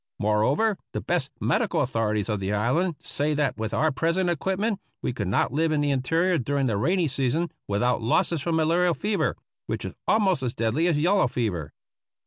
Moreover, the best medical authorities 282 APPENDIX C of the island say that with our present equipment we could not live in the interior during the rainy season without losses from malarial fever, which is almost as deadly as yellow fever.